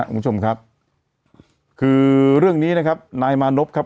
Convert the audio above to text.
คุณผู้ชมครับคือเรื่องนี้นะครับนายมานพครับ